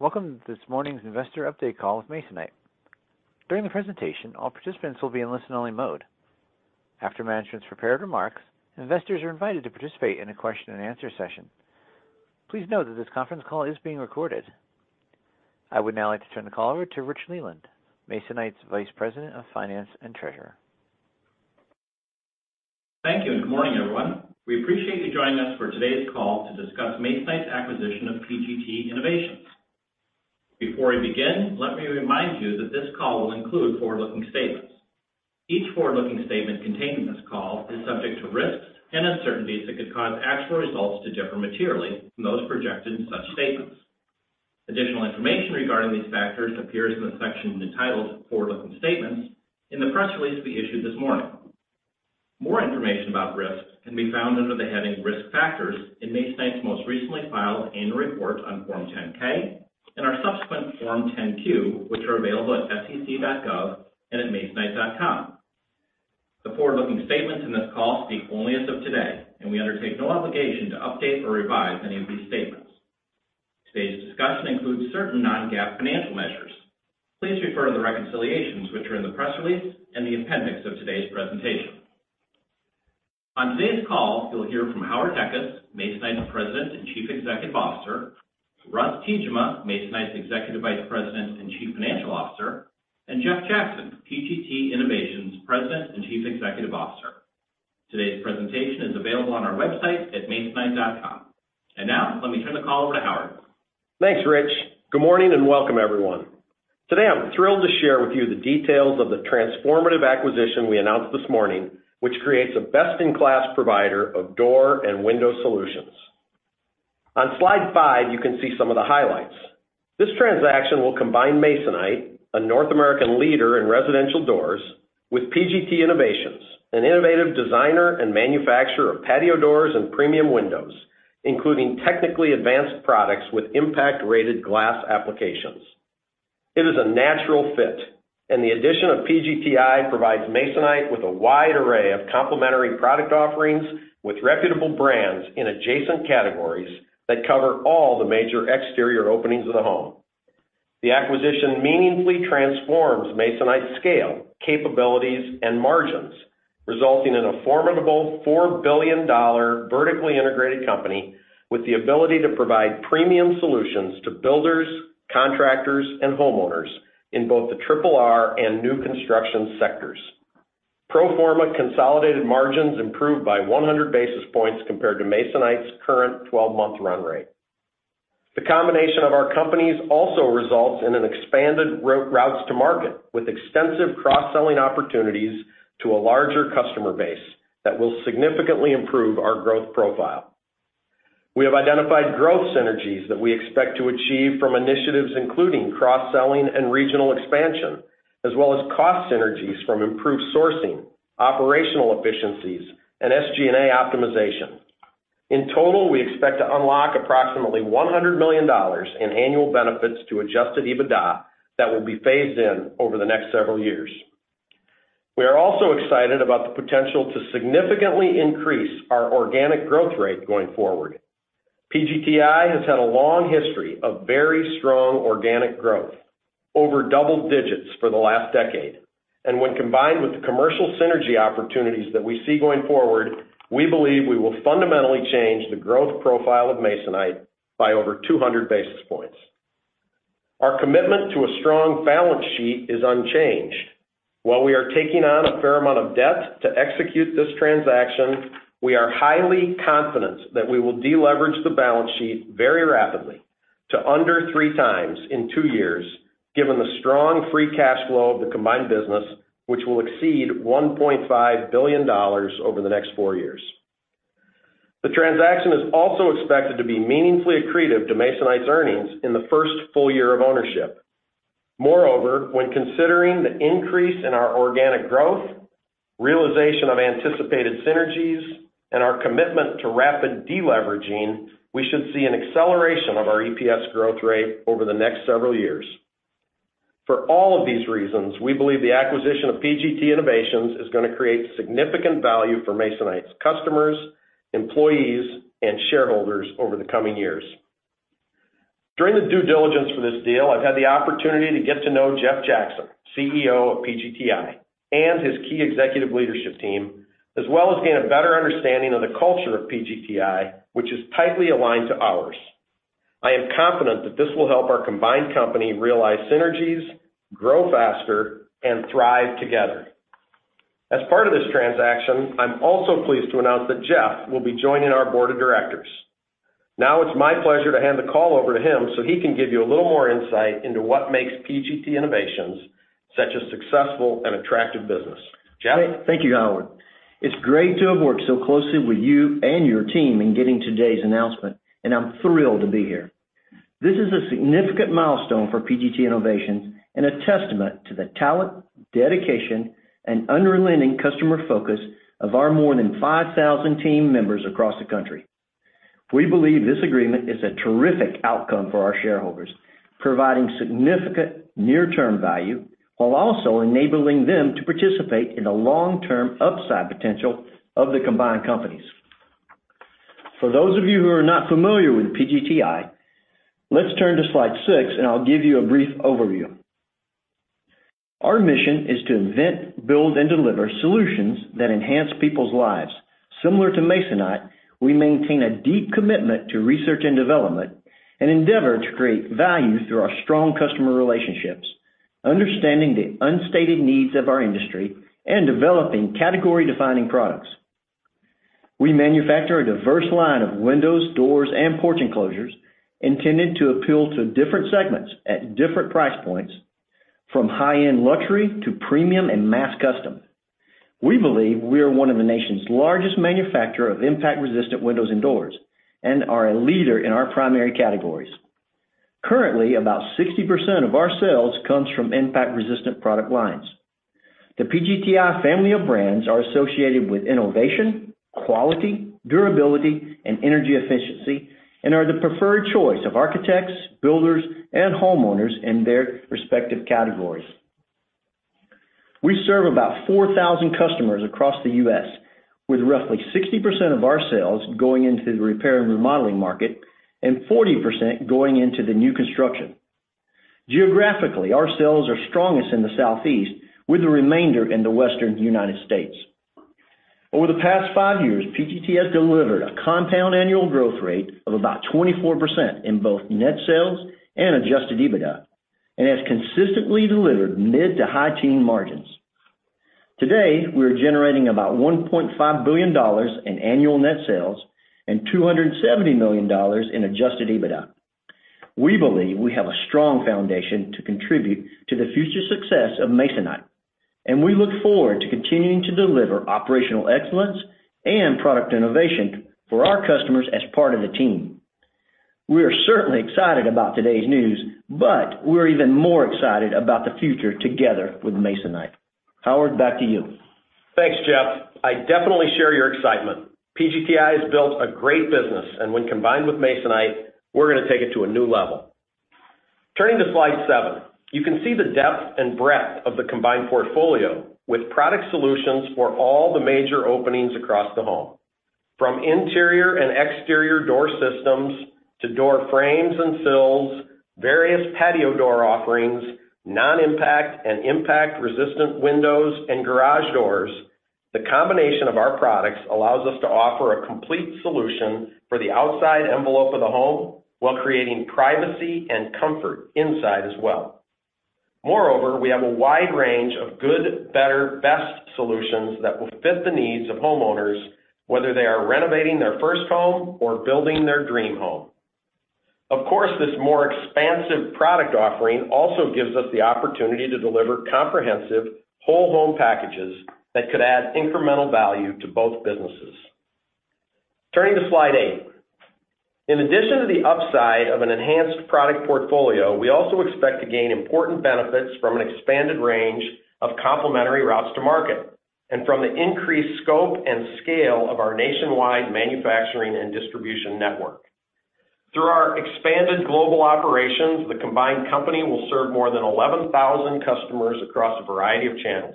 Welcome to this morning's investor update call with Masonite. During the presentation, all participants will be in listen-only mode. After management's prepared remarks, investors are invited to participate in a question-and-answer session. Please note that this conference call is being recorded. I would now like to turn the call over to Rich Leland, Masonite's Vice President of Finance and Treasurer. Thank you, and good morning, everyone. We appreciate you joining us for today's call to discuss Masonite's acquisition of PGT Innovations. Before we begin, let me remind you that this call will include forward-looking statements. Each forward-looking statement contained in this call is subject to risks and uncertainties that could cause actual results to differ materially from those projected in such statements. Additional information regarding these factors appears in the section entitled Forward-Looking Statements in the press release we issued this morning. More information about risks can be found under the heading Risk Factors in Masonite's most recently filed annual report on Form 10-K and our subsequent Form 10-Q, which are available at SEC.gov and at masonite.com. The forward-looking statements in this call speak only as of today, and we undertake no obligation to update or revise any of these statements. Today's discussion includes certain non-GAAP financial measures. Please refer to the reconciliations which are in the press release and the appendix of today's presentation. On today's call, you'll hear from Howard Heckes, Masonite's President and Chief Executive Officer, Russ Tiejema, Masonite's Executive Vice President and Chief Financial Officer, and Jeff Jackson, PGT Innovations' President and Chief Executive Officer. Today's presentation is available on our website at masonite.com. Now, let me turn the call over to Howard. Thanks, Rich. Good morning, and welcome, everyone. Today, I'm thrilled to share with you the details of the transformative acquisition we announced this morning, which creates a best-in-class provider of door and window solutions. On slide 5, you can see some of the highlights. This transaction will combine Masonite, a North American leader in residential doors, with PGT Innovations, an innovative designer and manufacturer of patio doors and premium windows, including technically advanced products with impact-rated glass applications. It is a natural fit, and the addition of PGTI provides Masonite with a wide array of complementary product offerings with reputable brands in adjacent categories that cover all the major exterior openings of the home. The acquisition meaningfully transforms Masonite's scale, capabilities, and margins, resulting in a formidable $4 billion vertically integrated company with the ability to provide premium solutions to builders, contractors, and homeowners in both the R&R and new construction sectors. Pro forma consolidated margins improved by 100 basis points compared to Masonite's current twelve-month run rate. The combination of our companies also results in an expanded routes to market, with extensive cross-selling opportunities to a larger customer base that will significantly improve our growth profile. We have identified growth synergies that we expect to achieve from initiatives, including cross-selling and regional expansion, as well as cost synergies from improved sourcing, operational efficiencies, and SG&A optimization. In total, we expect to unlock approximately $100 million in annual benefits to Adjusted EBITDA that will be phased in over the next several years. We are also excited about the potential to significantly increase our organic growth rate going forward. PGTI has had a long history of very strong organic growth, over double digits for the last decade, and when combined with the commercial synergy opportunities that we see going forward, we believe we will fundamentally change the growth profile of Masonite by over 200 basis points. Our commitment to a strong balance sheet is unchanged. While we are taking on a fair amount of debt to execute this transaction, we are highly confident that we will deleverage the balance sheet very rapidly to under 3x in two years, given the strong free cash flow of the combined business, which will exceed $1.5 billion over the next four years. The transaction is also expected to be meaningfully accretive to Masonite's earnings in the first full year of ownership. Moreover, when considering the increase in our organic growth, realization of anticipated synergies, and our commitment to rapid deleveraging, we should see an acceleration of our EPS growth rate over the next several years. For all of these reasons, we believe the acquisition of PGT Innovations is gonna create significant value for Masonite's customers, employees, and shareholders over the coming years. During the due diligence for this deal, I've had the opportunity to get to know Jeff Jackson, CEO of PGTI, and his key executive leadership team, as well as gain a better understanding of the culture of PGTI, which is tightly aligned to ours. I am confident that this will help our combined company realize synergies, grow faster, and thrive together. As part of this transaction, I'm also pleased to announce that Jeff will be joining our board of directors. Now, it's my pleasure to hand the call over to him so he can give you a little more insight into what makes PGT Innovations such a successful and attractive business. Jeff? Thank you, Howard. It's great to have worked so closely with you and your team in getting today's announcement, and I'm thrilled to be here. This is a significant milestone for PGT Innovations and a testament to the talent, dedication, and unrelenting customer focus of our more than 5,000 team members across the country. We believe this agreement is a terrific outcome for our shareholders, providing significant near-term value while also enabling them to participate in the long-term upside potential of the combined company.... For those of you who are not familiar with PGTI, let's turn to slide 6, and I'll give you a brief overview. Our mission is to invent, build, and deliver solutions that enhance people's lives. Similar to Masonite, we maintain a deep commitment to research and development, and endeavor to create value through our strong customer relationships, understanding the unstated needs of our industry, and developing category-defining products. We manufacture a diverse line of windows, doors, and porch enclosures intended to appeal to different segments at different price points, from high-end luxury to premium and mass custom. We believe we are one of the nation's largest manufacturer of impact-resistant windows and doors, and are a leader in our primary categories. Currently, about 60% of our sales comes from impact-resistant product lines. The PGTI family of brands are associated with innovation, quality, durability, and energy efficiency, and are the preferred choice of architects, builders, and homeowners in their respective categories. We serve about 4,000 customers across the U.S., with roughly 60% of our sales going into the repair and remodeling market and 40% going into the new construction. Geographically, our sales are strongest in the Southeast, with the remainder in the Western United States. Over the past five years, PGTI has delivered a compound annual growth rate of about 24% in both net sales and Adjusted EBITDA, and has consistently delivered mid to high teen margins. Today, we are generating about $1.5 billion in annual net sales and $270 million in Adjusted EBITDA. We believe we have a strong foundation to contribute to the future success of Masonite, and we look forward to continuing to deliver operational excellence and product innovation for our customers as part of the team. We are certainly excited about today's news, but we're even more excited about the future together with Masonite. Howard, back to you. Thanks, Jeff. I definitely share your excitement. PGTI has built a great business, and when combined with Masonite, we're gonna take it to a new level. Turning to slide 7, you can see the depth and breadth of the combined portfolio with product solutions for all the major openings across the home. From interior and exterior door systems to door frames and sills, various patio door offerings, non-impact and impact-resistant windows and garage doors, the combination of our products allows us to offer a complete solution for the outside envelope of the home while creating privacy and comfort inside as well. Moreover, we have a wide range of good, better, best solutions that will fit the needs of homeowners, whether they are renovating their first home or building their dream home. Of course, this more expansive product offering also gives us the opportunity to deliver comprehensive whole home packages that could add incremental value to both businesses. Turning to slide 8. In addition to the upside of an enhanced product portfolio, we also expect to gain important benefits from an expanded range of complementary routes to market and from the increased scope and scale of our nationwide manufacturing and distribution network. Through our expanded global operations, the combined company will serve more than 11,000 customers across a variety of channels.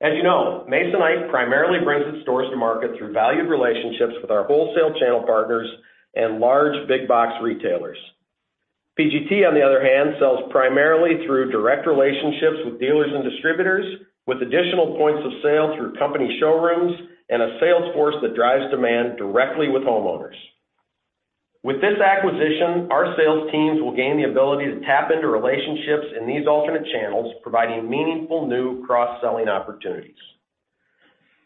As you know, Masonite primarily brings its doors to market through valued relationships with our wholesale channel partners and large big box retailers. PGTI, on the other hand, sells primarily through direct relationships with dealers and distributors, with additional points of sale through company showrooms and a sales force that drives demand directly with homeowners. With this acquisition, our sales teams will gain the ability to tap into relationships in these alternate channels, providing meaningful new cross-selling opportunities.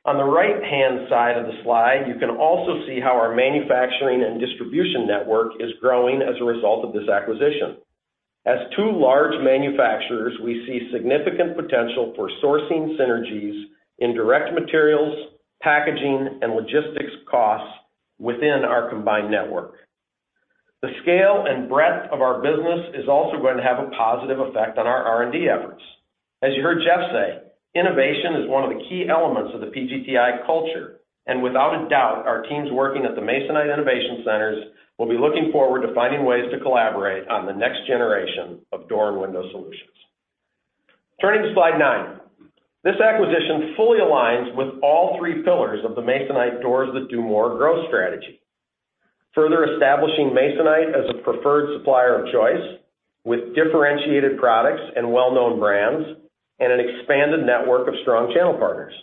On the right-hand side of the slide, you can also see how our manufacturing and distribution network is growing as a result of this acquisition. As two large manufacturers, we see significant potential for sourcing synergies in direct materials, packaging, and logistics costs within our combined network. The scale and breadth of our business is also going to have a positive effect on our R&D efforts. As you heard Jeff say, innovation is one of the key elements of the PGTI culture, and without a doubt, our teams working at the Masonite innovation centers will be looking forward to finding ways to collaborate on the next generation of door and window solutions. Turning to slide 9. This acquisition fully aligns with all three pillars of the Masonite Doors That Do More growth strategy, further establishing Masonite as a preferred supplier of choice with differentiated products and well-known brands and an expanded network of strong channel partners.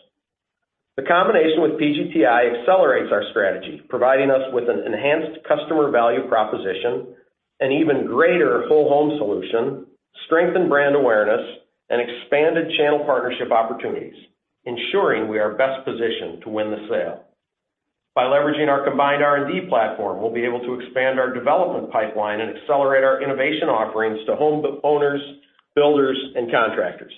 The combination with PGTI accelerates our strategy, providing us with an enhanced customer value proposition and even greater whole home solution, strengthened brand awareness, and expanded channel partnership opportunities, ensuring we are best positioned to win the sale. By leveraging our combined R&D platform, we'll be able to expand our development pipeline and accelerate our innovation offerings to homeowners, builders, and contractors.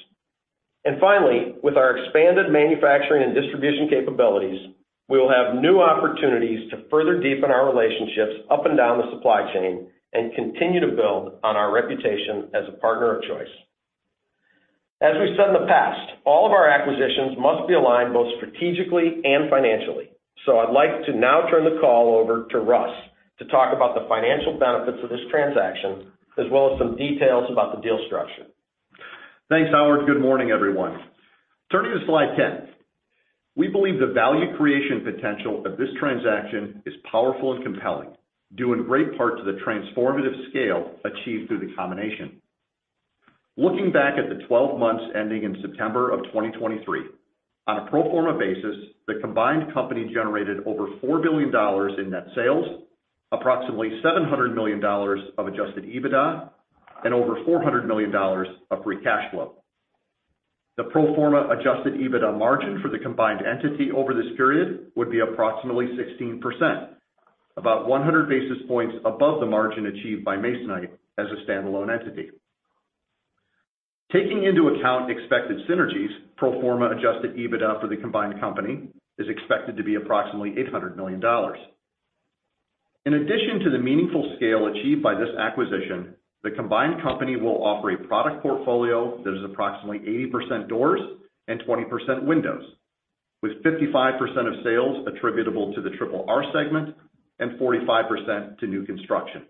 Finally, with our expanded manufacturing and distribution capabilities, we will have new opportunities to further deepen our relationships up and down the supply chain and continue to build on our reputation as a partner of choice. As we've said in the past, all of our acquisitions must be aligned both strategically and financially. So I'd like to now turn the call over to Russ to talk about the financial benefits of this transaction, as well as some details about the deal structure.... Thanks, Howard. Good morning, everyone. Turning to slide 10. We believe the value creation potential of this transaction is powerful and compelling, due in great part to the transformative scale achieved through the combination. Looking back at the 12 months ending in September 2023, on a pro forma basis, the combined company generated over $4 billion in net sales, approximately $700 million of Adjusted EBITDA, and over $400 million of free cash flow. The pro forma Adjusted EBITDA margin for the combined entity over this period would be approximately 16%, about 100 basis points above the margin achieved by Masonite as a standalone entity. Taking into account expected synergies, pro forma Adjusted EBITDA for the combined company is expected to be approximately $800 million. In addition to the meaningful scale achieved by this acquisition, the combined company will offer a product portfolio that is approximately 80% doors and 20% windows, with 55% of sales attributable to the R&R segment and 45% to new construction.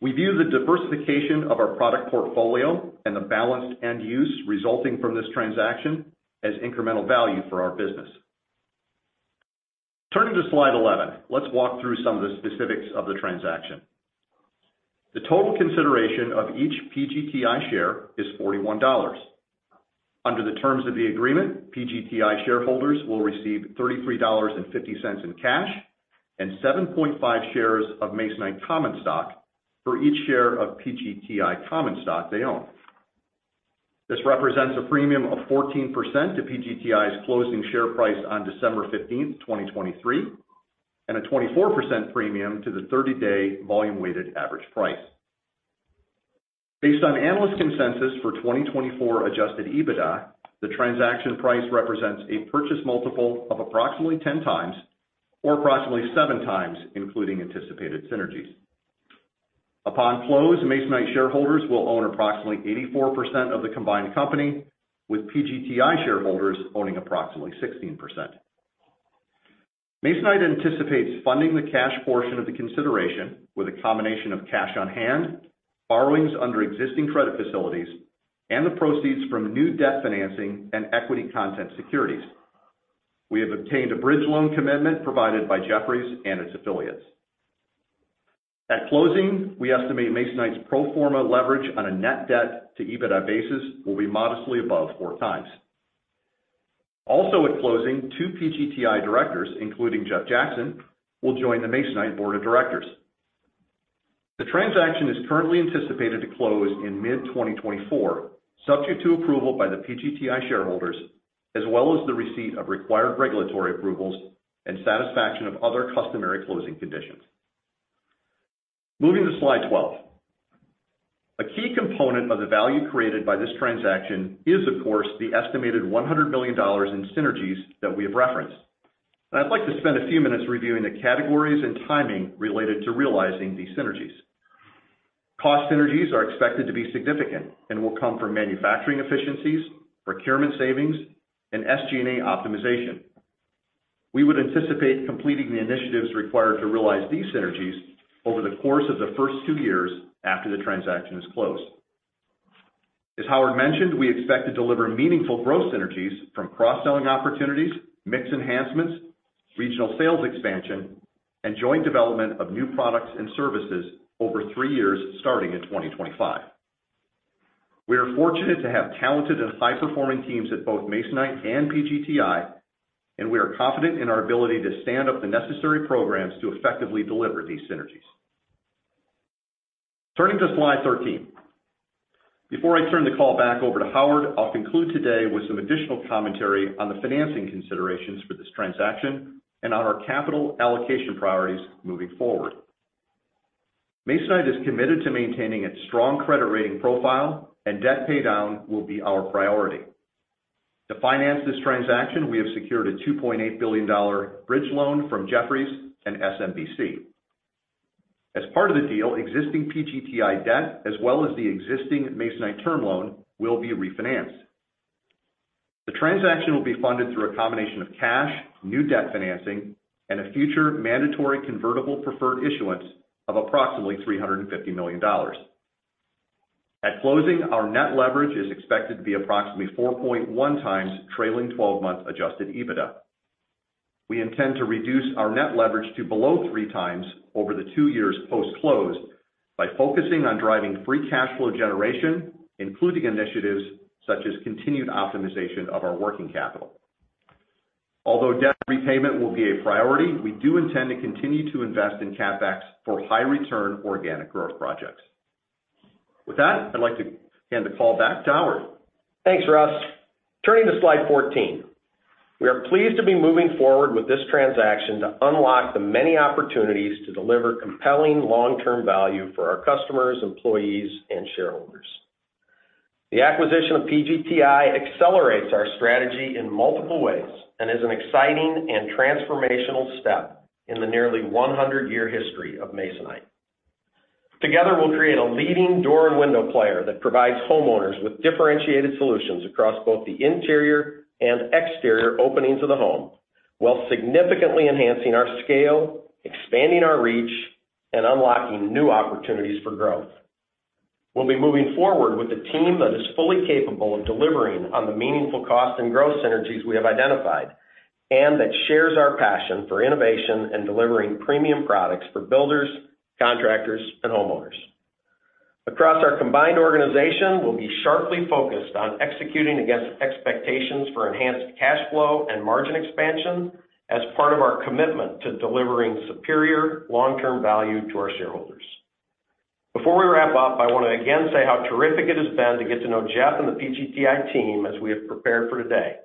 We view the diversification of our product portfolio and the balanced end use resulting from this transaction as incremental value for our business. Turning to slide 11, let's walk through some of the specifics of the transaction. The total consideration for each PGTI share is $41. Under the terms of the agreement, PGTI shareholders will receive $33.50 in cash and 7.5 shares of Masonite common stock for each share of PGTI common stock they own. This represents a premium of 14% to PGTI's closing share price on December fifteenth, 2023, and a 24% premium to the 30-day volume-weighted average price. Based on analyst consensus for 2024 Adjusted EBITDA, the transaction price represents a purchase multiple of approximately 10x, or approximately 7x, including anticipated synergies. Upon close, Masonite shareholders will own approximately 84% of the combined company, with PGTI shareholders owning approximately 16%. Masonite anticipates funding the cash portion of the consideration with a combination of cash on hand, borrowings under existing credit facilities, and the proceeds from new debt financing and equity content securities. We have obtained a bridge loan commitment provided by Jefferies and its affiliates. At closing, we estimate Masonite's pro forma leverage on a net debt to EBITDA basis will be modestly above 4x. Also, at closing, two PGTI directors, including Jeff Jackson, will join the Masonite board of directors. The transaction is currently anticipated to close in mid-2024, subject to approval by the PGTI shareholders, as well as the receipt of required regulatory approvals and satisfaction of other customary closing conditions. Moving to slide 12. A key component of the value created by this transaction is, of course, the estimated $100 million in synergies that we have referenced, and I'd like to spend a few minutes reviewing the categories and timing related to realizing these synergies. Cost synergies are expected to be significant and will come from manufacturing efficiencies, procurement savings, and SG&A optimization. We would anticipate completing the initiatives required to realize these synergies over the course of the first two years after the transaction is closed. As Howard mentioned, we expect to deliver meaningful growth synergies from cross-selling opportunities, mix enhancements, regional sales expansion, and joint development of new products and services over three years, starting in 2025. We are fortunate to have talented and high-performing teams at both Masonite and PGTI, and we are confident in our ability to stand up the necessary programs to effectively deliver these synergies. Turning to slide 13. Before I turn the call back over to Howard, I'll conclude today with some additional commentary on the financing considerations for this transaction and on our capital allocation priorities moving forward. Masonite is committed to maintaining its strong credit rating profile and debt paydown will be our priority. To finance this transaction, we have secured a $2.8 billion bridge loan from Jefferies and SMBC. As part of the deal, existing PGTI debt, as well as the existing Masonite term loan, will be refinanced. The transaction will be funded through a combination of cash, new debt financing, and a future mandatory convertible preferred issuance of approximately $350 million. At closing, our net leverage is expected to be approximately 4.1x trailing 12-month Adjusted EBITDA. We intend to reduce our net leverage to below 3x over the 2 years post-close by focusing on driving free cash flow generation, including initiatives such as continued optimization of our working capital. Although debt repayment will be a priority, we do intend to continue to invest in CapEx for high-return organic growth projects. With that, I'd like to hand the call back to Howard. Thanks, Russ. Turning to slide 14. We are pleased to be moving forward with this transaction to unlock the many opportunities to deliver compelling long-term value for our customers, employees, and shareholders. The acquisition of PGTI accelerates our strategy in multiple ways and is an exciting and transformational step in the nearly 100-year history of Masonite. Together, we'll create a leading door and window player that provides homeowners with differentiated solutions across both the interior and exterior openings of the home.... while significantly enhancing our scale, expanding our reach, and unlocking new opportunities for growth. We'll be moving forward with a team that is fully capable of delivering on the meaningful cost and growth synergies we have identified, and that shares our passion for innovation and delivering premium products for builders, contractors, and homeowners. Across our combined organization, we'll be sharply focused on executing against expectations for enhanced cash flow and margin expansion as part of our commitment to delivering superior long-term value to our shareholders. Before we wrap up, I want to again say how terrific it has been to get to know Jeff and the PGTI team as we have prepared for today.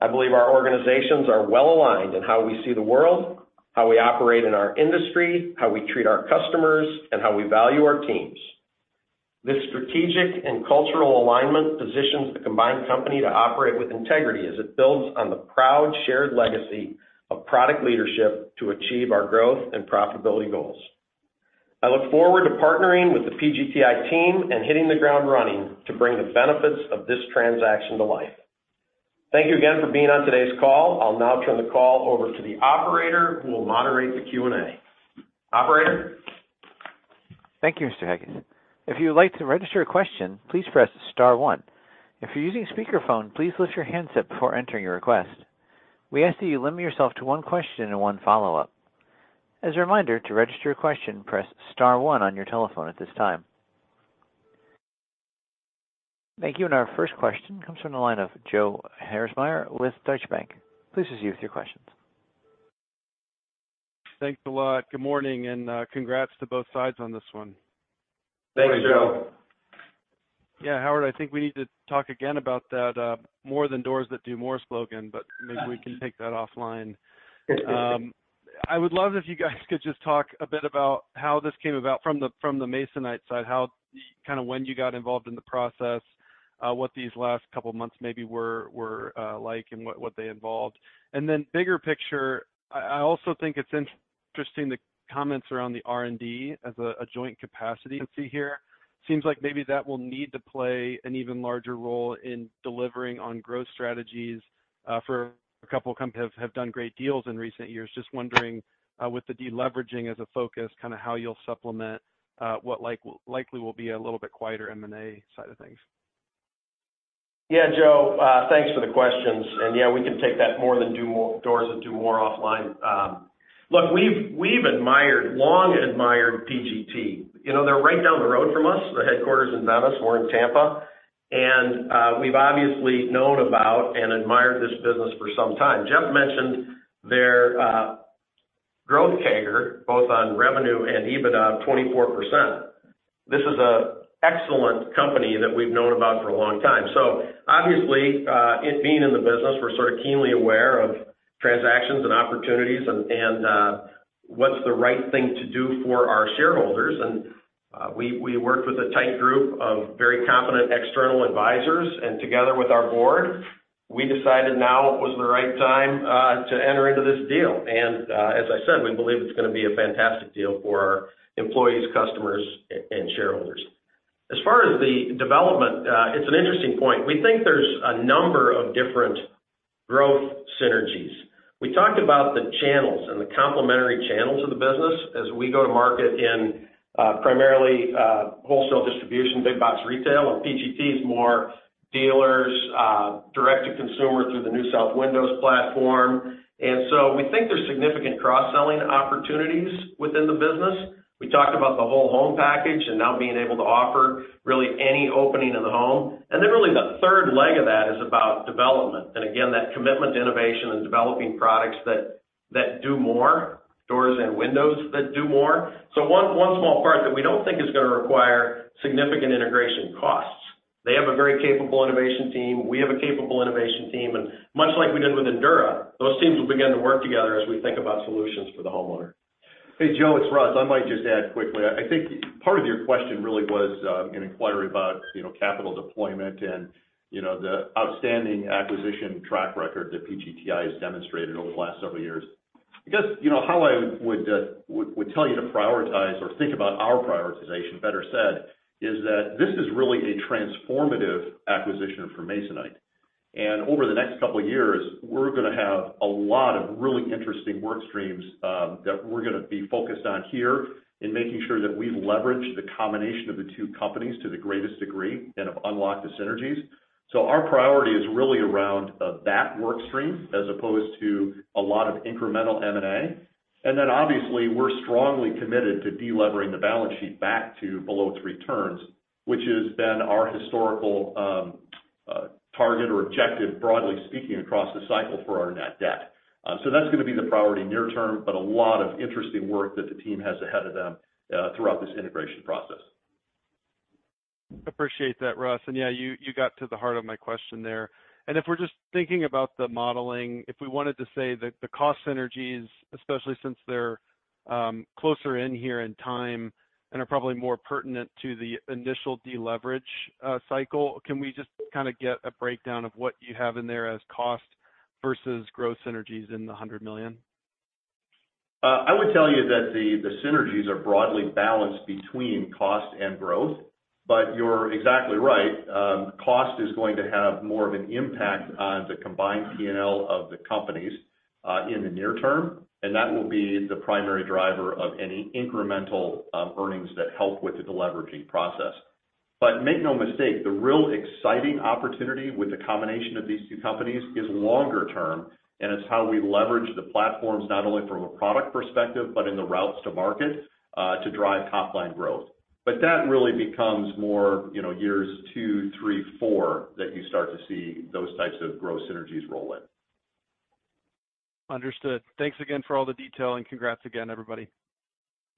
I believe our organizations are well aligned in how we see the world, how we operate in our industry, how we treat our customers, and how we value our teams. This strategic and cultural alignment positions the combined company to operate with integrity as it builds on the proud shared legacy of product leadership to achieve our growth and profitability goals. I look forward to partnering with the PGTI team and hitting the ground running to bring the benefits of this transaction to life. Thank you again for being on today's call. I'll now turn the call over to the operator, who will moderate the Q&A. Operator? Thank you, Mr. Heckes. If you would like to register a question, please press star one. If you're using speakerphone, please lift your handset before entering your request. We ask that you limit yourself to one question and one follow-up. As a reminder, to register your question, press star one on your telephone at this time. Thank you. Our first question comes from the line of Joe Ahlersmeyer with Deutsche Bank. Please proceed with your questions. Thanks a lot. Good morning, and, congrats to both sides on this one. Thanks, Joe. Thanks, Joe. Yeah, Howard, I think we need to talk again about that, more than Doors That Do More slogan, but maybe we can take that offline. I would love if you guys could just talk a bit about how this came about from the Masonite side, how kind of when you got involved in the process, what these last couple of months maybe were, like, and what they involved. And then bigger picture, I also think it's interesting, the comments around the R&D as a joint capacity here. Seems like maybe that will need to play an even larger role in delivering on growth strategies, for a couple of companies have done great deals in recent years. Just wondering, with the deleveraging as a focus, kind of how you'll supplement what likely will be a little bit quieter M&A side of things. Yeah, Joe, thanks for the questions. And, yeah, we can take that more than Do More—Doors That Do More offline. Look, we've long admired PGT. You know, they're right down the road from us, the headquarters in Venice, we're in Tampa. And we've obviously known about and admired this business for some time. Jeff mentioned their growth CAGR, both on revenue and EBITDA, 24%. This is an excellent company that we've known about for a long time. So obviously, it being in the business, we're sort of keenly aware of transactions and opportunities and what's the right thing to do for our shareholders. And we worked with a tight group of very competent external advisors, and together with our board, we decided now was the right time to enter into this deal. As I said, we believe it's going to be a fantastic deal for our employees, customers, and shareholders. As far as the development, it's an interesting point. We think there's a number of different growth synergies. We talked about the channels and the complementary channels of the business as we go to market in, primarily, wholesale distribution, big box retail, and PGT is more dealers, direct to consumer through the NewSouth Windows platform. And so we think there's significant cross-selling opportunities within the business. We talked about the whole home package and now being able to offer really any opening in the home. And then really, the third leg of that is about development. And again, that commitment to innovation and developing products that do more, doors and windows that do more. So one small part that we don't think is going to require significant integration costs. They have a very capable innovation team, we have a capable innovation team, and much like we did with Endura, those teams will begin to work together as we think about solutions for the homeowner. Hey, Joe, it's Russ. I might just add quickly. I think part of your question really was an inquiry about, you know, capital deployment and, you know, the outstanding acquisition track record that PGTI has demonstrated over the last several years. I guess, you know, how I would tell you to prioritize or think about our prioritization, better said, is that this is really a transformative acquisition for Masonite. And over the next couple of years, we're going to have a lot of really interesting work streams that we're going to be focused on here in making sure that we leverage the combination of the two companies to the greatest degree and have unlocked the synergies. So our priority is really around that work stream as opposed to a lot of incremental M&A. Obviously, we're strongly committed to delevering the balance sheet back to below its returns, which is then our historical target or objective, broadly speaking, across the cycle for our net debt. So that's going to be the priority near term, but a lot of interesting work that the team has ahead of them throughout this integration process. Appreciate that, Russ. And, yeah, you, you got to the heart of my question there. And if we're just thinking about the modeling, if we wanted to say that the cost synergies, especially since they're closer in here in time and are probably more pertinent to the initial deleverage cycle, can we just kind of get a breakdown of what you have in there as cost versus growth synergies in the $100 million?... I would tell you that the synergies are broadly balanced between cost and growth. But you're exactly right, cost is going to have more of an impact on the combined P&L of the companies, in the near term, and that will be the primary driver of any incremental, earnings that help with the deleveraging process. But make no mistake, the real exciting opportunity with the combination of these two companies is longer term, and it's how we leverage the platforms, not only from a product perspective, but in the routes to market, to drive top line growth. But that really becomes more, you know, years 2, 3, 4, that you start to see those types of growth synergies roll in. Understood. Thanks again for all the detail, and congrats again, everybody.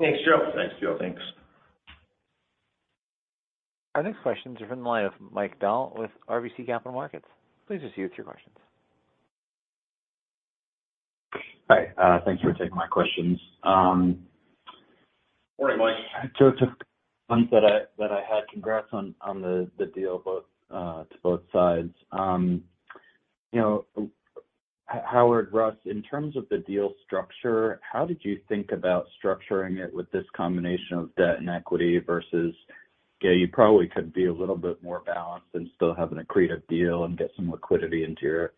Thanks, Joe. Thanks, Joe. Thanks. Our next question is from the line of Mike Dahl with RBC Capital Markets. Please go ahead with your questions. Hi, thanks for taking my questions. Morning, Mike. So just ones that I had. Congrats on the deal both to both sides. You know, Howard, Russ, in terms of the deal structure, how did you think about structuring it with this combination of debt and equity versus, yeah, you probably could be a little bit more balanced and still have an accretive deal and get some liquidity into your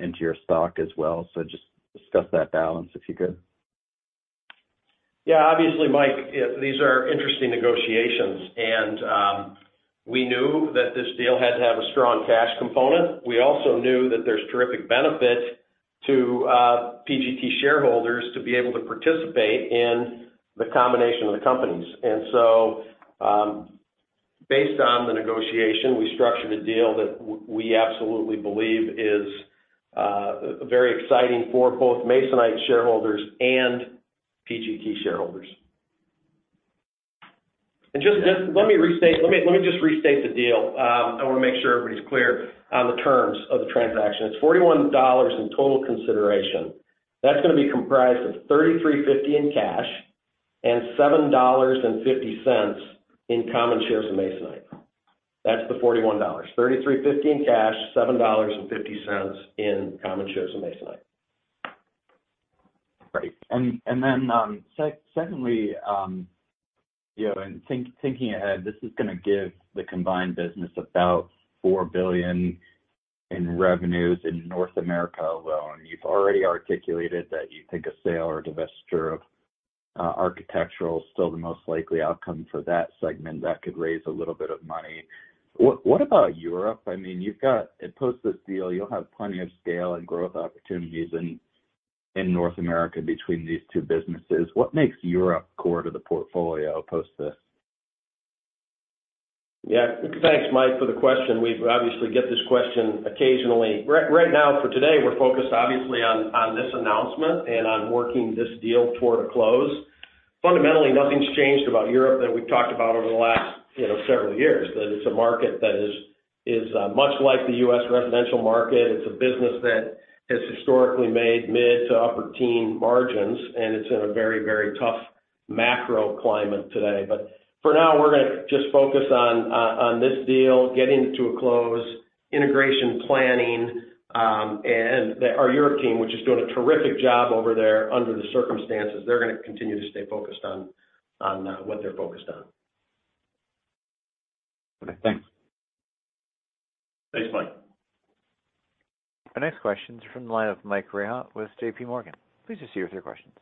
into your stock as well? So just discuss that balance, if you could. Yeah, obviously, Mike, yeah, these are interesting negotiations, and we knew that this deal had to have a strong cash component. We also knew that there's terrific benefit to PGT shareholders to be able to participate in the combination of the companies. And so, based on the negotiation, we structured a deal that we absolutely believe is very exciting for both Masonite shareholders and PGT shareholders. And just let me restate, let me just restate the deal. I wanna make sure everybody's clear on the terms of the transaction. It's $41 in total consideration. That's gonna be comprised of $33.50 in cash and $7.50 in common shares of Masonite. That's the $41. $33.50 in cash, $7.50 in common shares of Masonite. Great. And then, secondly, you know, thinking ahead, this is gonna give the combined business about $4 billion in revenues in North America alone. You've already articulated that you think a sale or divestiture of architectural is still the most likely outcome for that segment. That could raise a little bit of money. What about Europe? I mean, you've got... Post this deal, you'll have plenty of scale and growth opportunities in North America between these two businesses. What makes Europe core to the portfolio post this? Yeah. Thanks, Mike, for the question. We obviously get this question occasionally. Right now, for today, we're focused obviously on this announcement and on working this deal toward a close. Fundamentally, nothing's changed about Europe that we've talked about over the last, you know, several years. That it's a market that is much like the U.S. residential market. It's a business that has historically made mid to upper teen margins, and it's in a very, very tough macro climate today. But for now, we're gonna just focus on this deal, getting it to a close, integration planning, and our Europe team, which is doing a terrific job over there under the circumstances, they're gonna continue to stay focused on what they're focused on. Okay, thanks. Thanks, Mike. Our next question is from the line of Mike Rehaut with JP Morgan. Please just hear with your questions.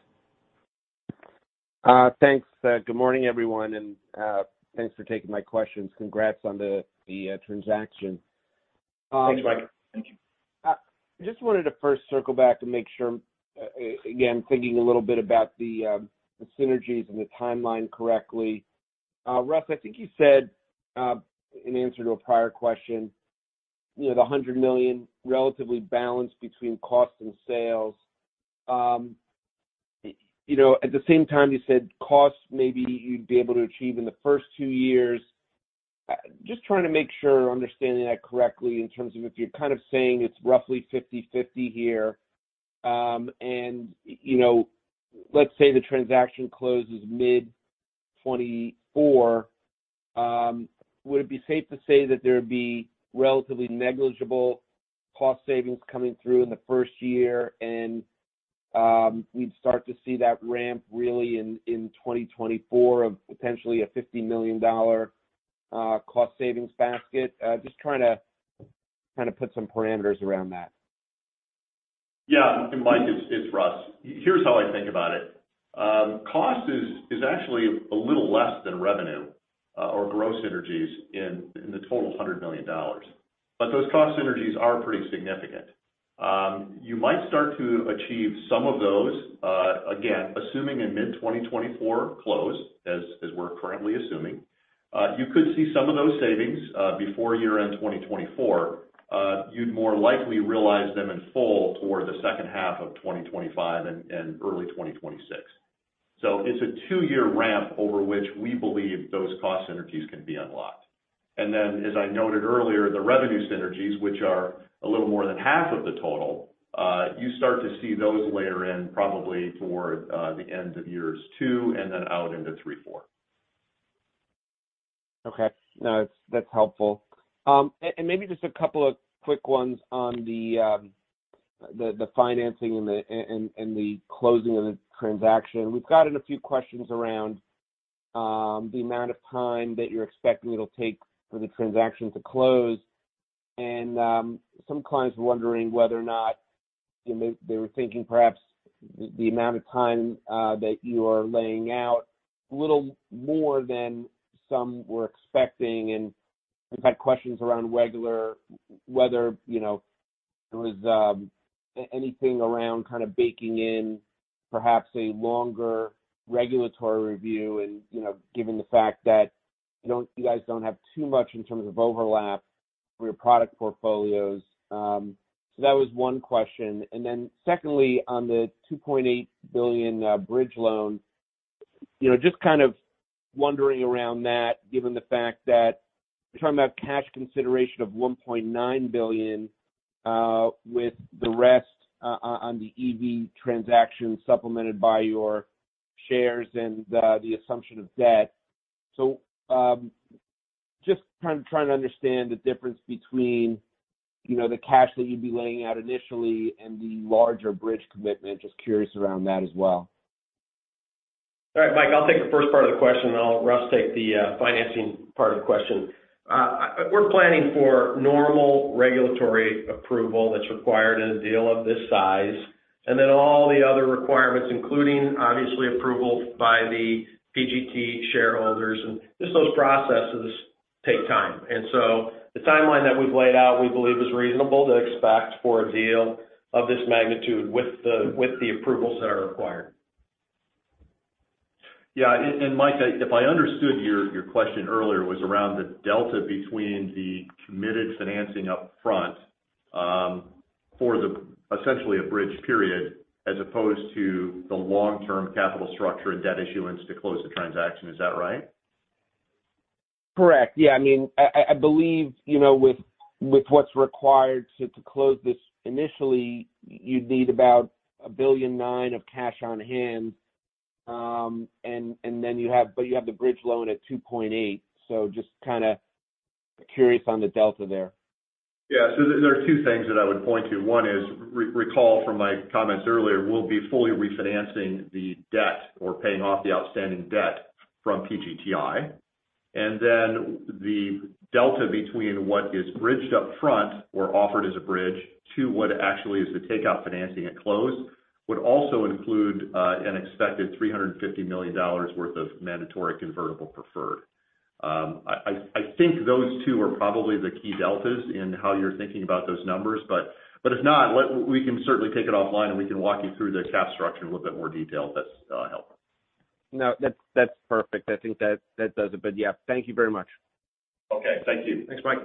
Thanks. Good morning, everyone, and thanks for taking my questions. Congrats on the transaction. Thanks, Mike. Thank you. I just wanted to first circle back to make sure, again, thinking a little bit about the, the synergies and the timeline correctly. Russ, I think you said, in answer to a prior question, you know, the $100 million relatively balanced between cost and sales. You know, at the same time, you said costs maybe you'd be able to achieve in the first two years. Just trying to make sure understanding that correctly in terms of if you're kind of saying it's roughly 50/50 here, and, you know, let's say the transaction closes mid-2024, would it be safe to say that there'd be relatively negligible cost savings coming through in the first year, and, we'd start to see that ramp really in, in 2024 of potentially a $50 million cost savings basket? Just trying to kind of put some parameters around that. Yeah, and Mike, it's Russ. Here's how I think about it: Cost is actually a little less than revenue or gross synergies in the total $100 million, but those cost synergies are pretty significant. You might start to achieve some of those again, assuming a mid-2024 close, as we're currently assuming. You could see some of those savings before year-end 2024. You'd more likely realize them in full toward the second half of 2025 and early 2026. So it's a 2-year ramp over which we believe those cost synergies can be unlocked. And then, as I noted earlier, the revenue synergies, which are a little more than half of the total, you start to see those layer in probably toward the end of years two and then out into three, four.... Okay. No, that's helpful. And maybe just a couple of quick ones on the financing and the closing of the transaction. We've gotten a few questions around the amount of time that you're expecting it'll take for the transaction to close. And some clients were wondering whether or not, you know, they were thinking perhaps the amount of time that you are laying out, a little more than some were expecting, and we've had questions around whether, you know, there was anything around kind of baking in perhaps a longer regulatory review. And, you know, given the fact that you don't, you guys don't have too much in terms of overlap for your product portfolios. So that was one question. And then secondly, on the $2.8 billion bridge loan, you know, just kind of wondering around that, given the fact that you're talking about cash consideration of $1.9 billion, with the rest, on the EV transaction, supplemented by your shares and the, the assumption of debt. So, just kind of trying to understand the difference between, you know, the cash that you'd be laying out initially and the larger bridge commitment. Just curious around that as well. All right, Mike, I'll take the first part of the question, and I'll let Russ take the financing part of the question. We're planning for normal regulatory approval that's required in a deal of this size, and then all the other requirements, including, obviously, approval by the PGT shareholders, and just those processes take time. And so the timeline that we've laid out, we believe, is reasonable to expect for a deal of this magnitude with the approvals that are required. Yeah, and Mike, if I understood your question earlier, was around the delta between the committed financing up front, for essentially a bridge period, as opposed to the long-term capital structure and debt issuance to close the transaction. Is that right? Correct. Yeah. I mean, I believe, you know, with what's required to close this, initially, you'd need about $1.9 billion of cash on hand, and then you have, but you have the bridge loan at $2.8 billion. So just kind of curious on the delta there. Yeah. So there are two things that I would point to. One is, recall from my comments earlier, we'll be fully refinancing the debt or paying off the outstanding debt from PGTI. And then the delta between what is bridged up front or offered as a bridge to what actually is the takeout financing at close, would also include an expected $350 million worth of Mandatory Convertible Preferred. I think those two are probably the key deltas in how you're thinking about those numbers, but if not, we can certainly take it offline, and we can walk you through the cash structure in a little bit more detail if that's helpful. No, that's, that's perfect. I think that, that does it. But yeah, thank you very much. Okay. Thank you. Thanks, Mike.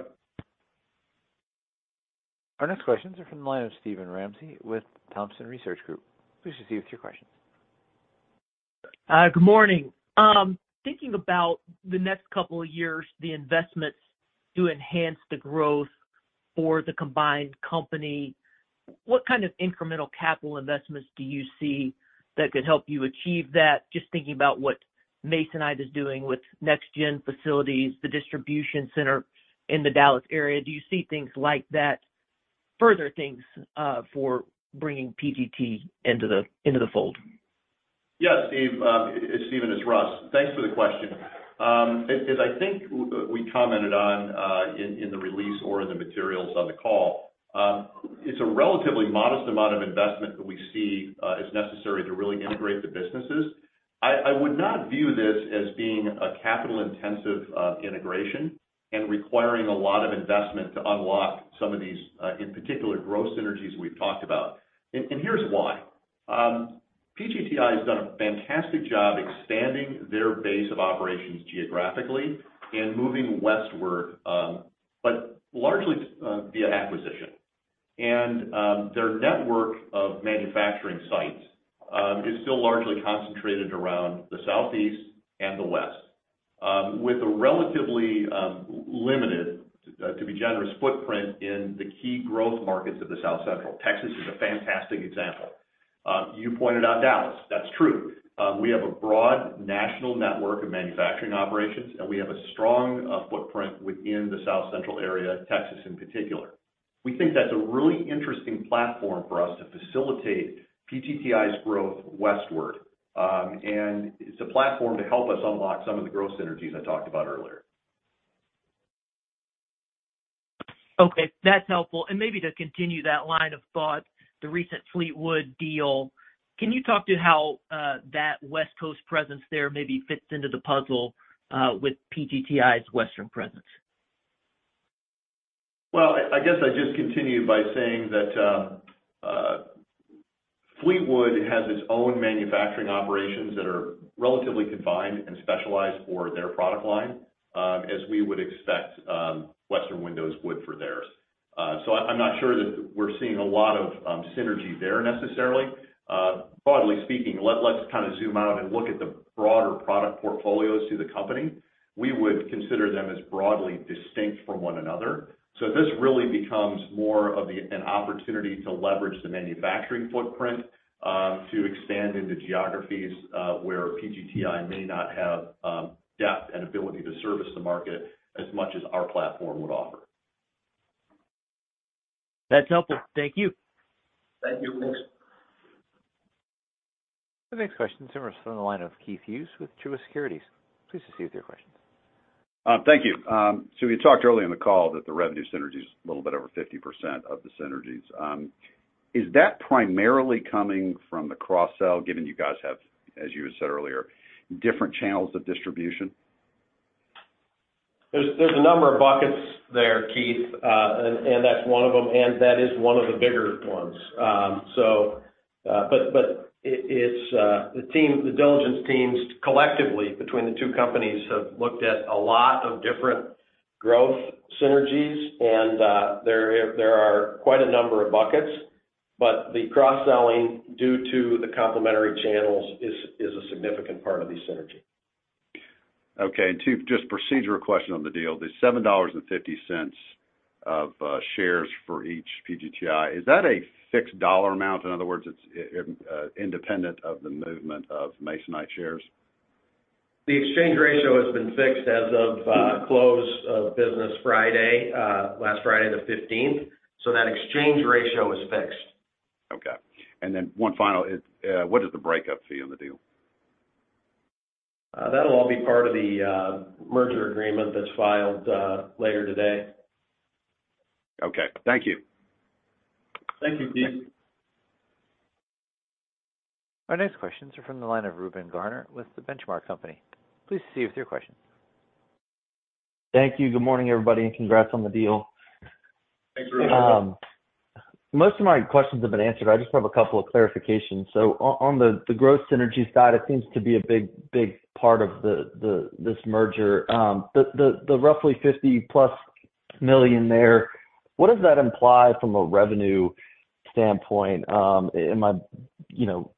Our next questions are from the line of Steven Ramsey with Thompson Research Group. Please proceed with your questions. Good morning. Thinking about the next couple of years, the investments to enhance the growth for the combined company, what kind of incremental capital investments do you see that could help you achieve that? Just thinking about what Masonite is doing with next gen facilities, the distribution center in the Dallas area. Do you see things like that, further things, for bringing PGT into the fold? Yeah, Steve, Stephen, it's Russ. Thanks for the question. As I think we commented on in the release or in the materials on the call, it's a relatively modest amount of investment that we see as necessary to really integrate the businesses. I would not view this as being a capital intensive integration and requiring a lot of investment to unlock some of these, in particular, growth synergies we've talked about. And here's why: PGTI has done a fantastic job expanding their base of operations geographically and moving westward, but largely via acquisition. And their network of manufacturing sites is still largely concentrated around the Southeast and the West. With a relatively limited, to be generous, footprint in the key growth markets of the South Central. Texas is a fantastic example. You pointed out Dallas. That's true. We have a broad national network of manufacturing operations, and we have a strong footprint within the South Central area, Texas in particular. We think that's a really interesting platform for us to facilitate PGTI's growth westward. And it's a platform to help us unlock some of the growth synergies I talked about earlier. Okay, that's helpful. Maybe to continue that line of thought, the recent Fleetwood deal, can you talk to how that West Coast presence there maybe fits into the puzzle with PGTI's Western presence? Well, I guess I'd just continue by saying that Fleetwood has its own manufacturing operations that are relatively confined and specialized for their product line, as we would expect, Western Windows would for theirs. So I'm not sure that we're seeing a lot of synergy there necessarily. Broadly speaking, let's kind of zoom out and look at the broader product portfolios to the company. We would consider them as broadly distinct from one another. So this really becomes more of an opportunity to leverage the manufacturing footprint to expand into geographies where PGTI may not have depth and ability to service the market as much as our platform would offer.... That's helpful. Thank you. Thank you, Next. The next question comes from the line of Keith Hughes with Truist Securities. Please proceed with your questions. Thank you. So you talked earlier in the call that the revenue synergy is a little bit over 50% of the synergies. Is that primarily coming from the cross-sell, given you guys have, as you had said earlier, different channels of distribution? There's, there's a number of buckets there, Keith, and, and that's one of them, and that is one of the bigger ones. So, but, but it, it's, the team, the diligence teams, collectively between the two companies, have looked at a lot of different growth synergies, and, there are, there are quite a number of buckets. But the cross-selling, due to the complementary channels, is, is a significant part of the synergy. Okay. And two, just procedural question on the deal: the $7.50 of shares for each PGTI, is that a fixed dollar amount? In other words, it's independent of the movement of Masonite shares. The exchange ratio has been fixed as of close of business Friday, last Friday, the fifteenth. So that exchange ratio is fixed. Okay. And then one final: is what is the breakup fee on the deal? That'll all be part of the merger agreement that's filed later today. Okay. Thank you. Thank you, Keith. Our next questions are from the line of Reuben Garner with The Benchmark Company. Please proceed with your question. Thank you. Good morning, everybody, and congrats on the deal. Thanks, Reuben. Most of my questions have been answered. I just have a couple of clarifications. On the growth synergies side, it seems to be a big, big part of this merger. The roughly $50+ million there, what does that imply from a revenue standpoint? Am I, you know,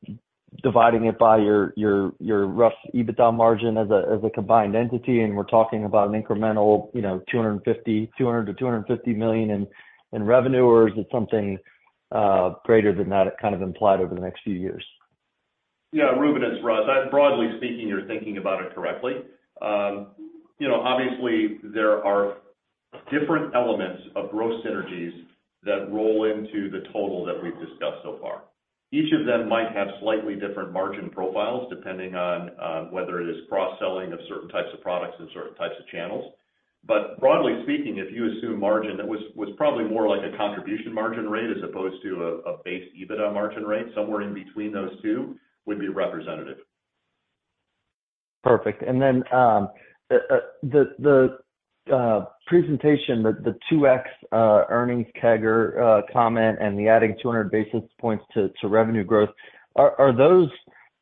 dividing it by your rough EBITDA margin as a combined entity, and we're talking about an incremental, you know, $200 million-$250 million in revenue, or is it something greater than that, kind of, implied over the next few years? Yeah, Reuben, it's Russ. Broadly speaking, you're thinking about it correctly. You know, obviously, there are different elements of growth synergies that roll into the total that we've discussed so far. Each of them might have slightly different margin profiles, depending on whether it is cross-selling of certain types of products and certain types of channels. But broadly speaking, if you assume margin, that was probably more like a contribution margin rate as opposed to a base EBITDA margin rate, somewhere in between those two would be representative. Perfect. And then, the presentation, the 2x earnings CAGR comment and the adding 200 basis points to revenue growth, are those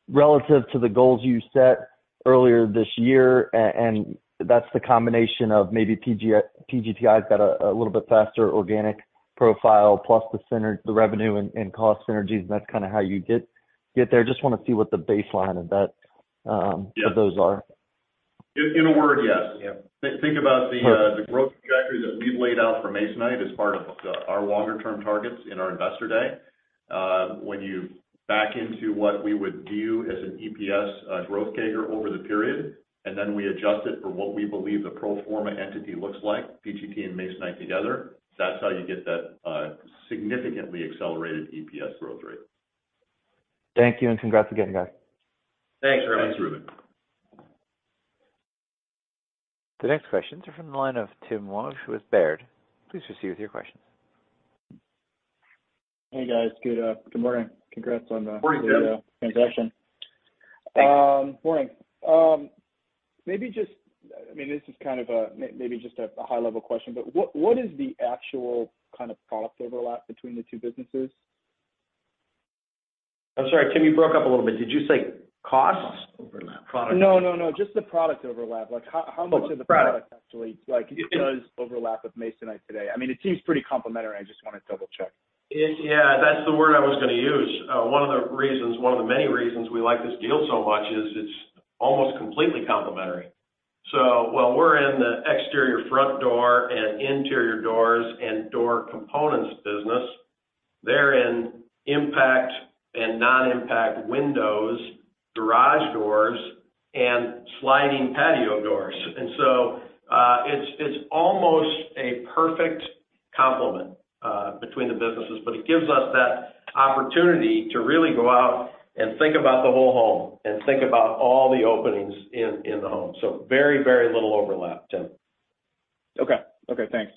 relative to the goals you set earlier this year? And that's the combination of maybe PGTI's got a little bit faster organic profile, plus the revenue and cost synergies, and that's kind of how you get there. Just wanna see what the baseline of that. Yeah... of those are. In a word, yes. Yeah. Think about the... Perfect... the growth trajectory that we've laid out for Masonite as part of our longer-term targets in our investor day. When you back into what we would view as an EPS growth CAGR over the period, and then we adjust it for what we believe the pro forma entity looks like, PGT and Masonite together, that's how you get that significantly accelerated EPS growth rate. Thank you, and congrats again, guys. Thanks, Reuben. The next questions are from the line of Tim Wojs with Baird. Please proceed with your questions. Hey, guys. Good morning. Congrats on the- Morning, Tim... transaction. Thanks. Morning. Maybe just... I mean, this is kind of a, maybe just a high level question, but what, what is the actual kind of product overlap between the two businesses? I'm sorry, Tim, you broke up a little bit. Did you say costs? Overlap product. No, no, no, just the product overlap. Like, how, how much- Oh, product... of the product actually, like, does overlap with Masonite today? I mean, it seems pretty complementary. I just want to double-check. Yeah, that's the word I was gonna use. One of the reasons, one of the many reasons we like this deal so much is it's almost completely complementary. So while we're in the exterior front door and interior doors and door components business, they're in impact and non-impact windows, garage doors, and sliding patio doors. And so, it's almost a perfect complement between the businesses, but it gives us that opportunity to really go out and think about the whole home and think about all the openings in the home. So very, very little overlap, Tim. Okay. Okay, thanks.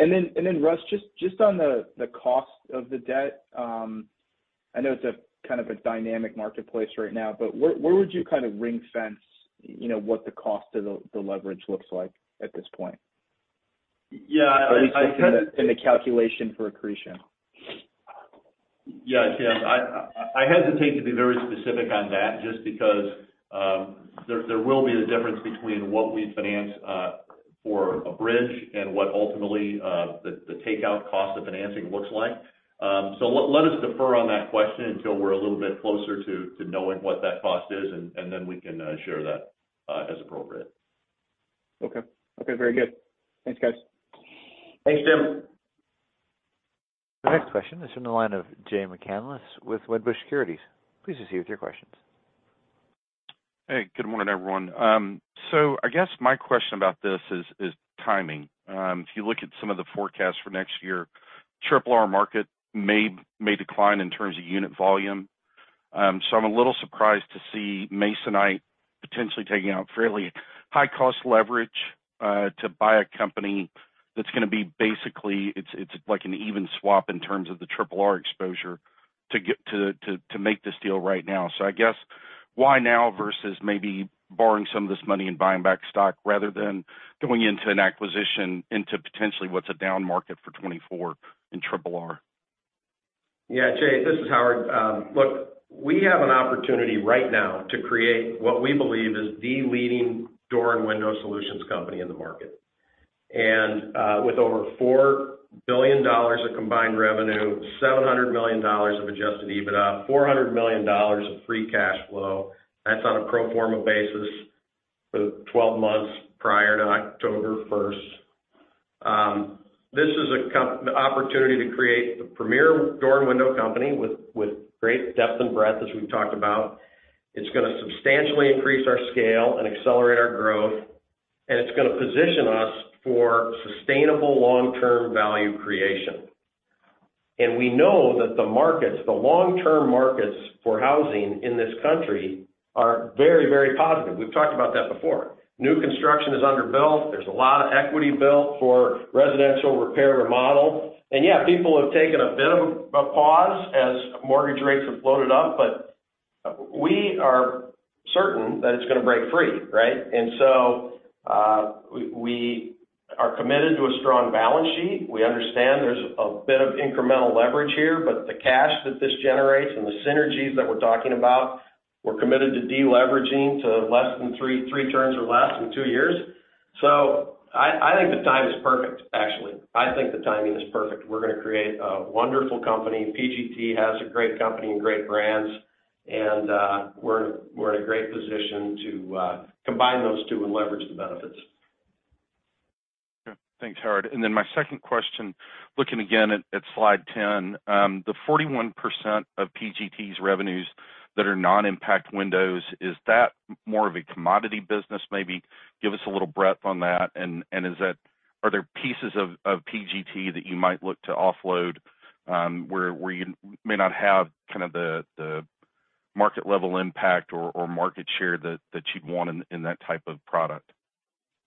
And then, Russ, just on the cost of the debt, I know it's a kind of a dynamic marketplace right now, but where would you kind of ring-fence, you know, what the cost of the leverage looks like at this point? Yeah, I- At least in the calculation for accretion. Yeah, Tim, I hesitate to be very specific on that, just because there will be a difference between what we finance for a bridge and what ultimately the takeout cost of financing looks like. So let us defer on that question until we're a little bit closer to knowing what that cost is, and then we can share that as appropriate. Okay. Okay, very good. Thanks, guys. Thanks, Tim. The next question is from the line of Jay McCanless with Wedbush Securities. Please proceed with your questions. Hey, good morning, everyone. So I guess my question about this is timing. If you look at some of the forecasts for next year, RRR market may decline in terms of unit volume. So I'm a little surprised to see Masonite potentially taking out fairly high-cost leverage to buy a company that's gonna be basically... It's like an even swap in terms of the RRR exposure to make this deal right now. So I guess, why now versus maybe borrowing some of this money and buying back stock rather than going into an acquisition into potentially what's a down market for 2024 in RRR? Yeah, Jay, this is Howard. Look, we have an opportunity right now to create what we believe is the leading door and window solutions company in the market. And with over $4 billion of combined revenue, $700 million of Adjusted EBITDA, $400 million of free cash flow, that's on a pro forma basis for the 12 months prior to October 1. This is the opportunity to create the premier door and window company with great depth and breadth, as we've talked about. It's gonna substantially increase our scale and accelerate our growth, and it's gonna position us for sustainable long-term value creation. And we know that the markets, the long-term markets for housing in this country are very, very positive. We've talked about that before. New construction is underbuilt. There's a lot of equity built for residential repair, remodel. And yeah, people have taken a bit of a pause as mortgage rates have floated up, but we are certain that it's gonna break free, right? And so, we are committed to a strong balance sheet. We understand there's a bit of incremental leverage here, but the cash that this generates and the synergies that we're talking about, we're committed to deleveraging to less than 3 turns or less in 2 years. So I think the time is perfect, actually. I think the timing is perfect. We're gonna create a wonderful company. PGT has a great company and great brands, and, we're in a great position to combine those two and leverage the benefits. Okay. Thanks, Howard. And then my second question, looking again at slide 10. The 41% of PGT's revenues that are non-impact windows, is that more of a commodity business? Maybe give us a little breadth on that. And is that—are there pieces of PGT that you might look to offload, where you may not have kind of the market-level impact or market share that you'd want in that type of product?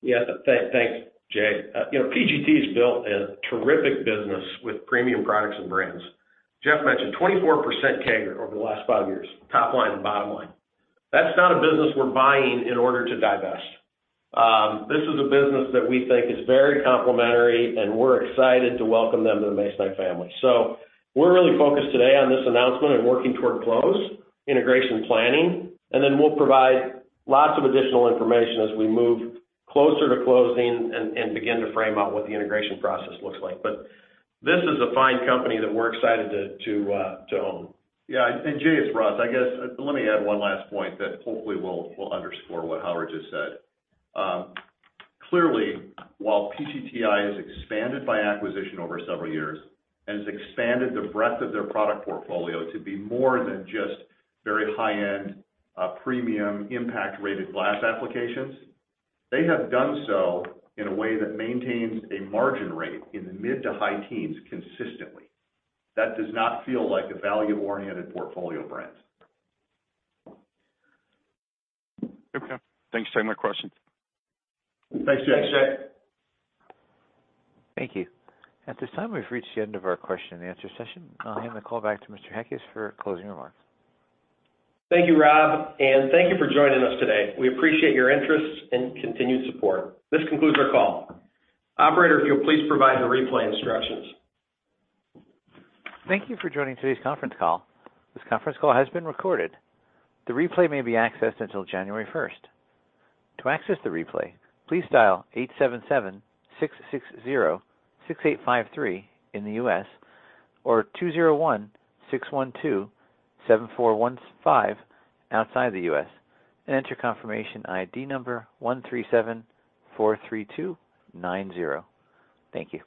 Yeah. Thanks, Jay. You know, PGT has built a terrific business with premium products and brands. Jeff mentioned 24% CAGR over the last 5 years, top line and bottom line. That's not a business we're buying in order to divest. This is a business that we think is very complementary, and we're excited to welcome them to the Masonite family. So we're really focused today on this announcement and working toward close, integration planning, and then we'll provide lots of additional information as we move closer to closing and begin to frame out what the integration process looks like. But this is a fine company that we're excited to own. Yeah, and Jay, it's Russ. I guess, let me add one last point that hopefully will underscore what Howard just said. Clearly, while PGTI has expanded by acquisition over several years and has expanded the breadth of their product portfolio to be more than just very high-end, premium impact-rated glass applications, they have done so in a way that maintains a margin rate in the mid to high teens consistently. That does not feel like a value-oriented portfolio brand. Okay. Thanks. Thanks for taking my questions. Thanks, Jay. Thanks, Jay. Thank you. At this time, we've reached the end of our question and answer session. I'll hand the call back to Mr. Heckes for closing remarks. Thank you, Rob, and thank you for joining us today. We appreciate your interest and continued support. This concludes our call. Operator, if you'll please provide the replay instructions. Thank you for joining today's conference call. This conference call has been recorded. The replay may be accessed until January 1. To access the replay, please dial 877-660-6853 in the U.S., or 201-612-7415 outside the U.S., and enter confirmation ID number 13743290. Thank you.